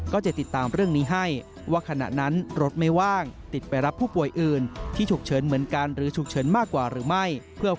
ก็จะติดตามเรื่องนี้ให้